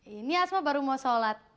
ini asma baru mau sholat